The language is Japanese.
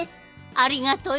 ありがとよ。